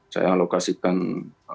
saya alokasikan anggaran